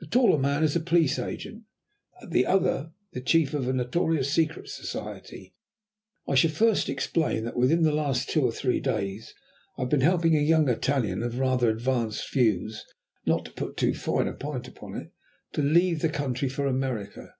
The taller man is a Police Agent, the other the chief of a notorious Secret Society. I should first explain that within the last two or three days I have been helping a young Italian of rather advanced views, not to put too fine a point upon it, to leave the country for America.